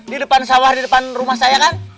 di depan sawah di depan rumah saya kan